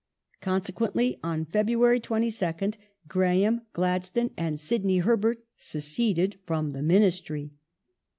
Consequently on February 22nd, Graham, Gladstone, and Sidney Herbert seceded from the Ministry.